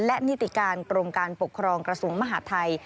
และนิติการโปรงการปกครองกระสุนมหาธัย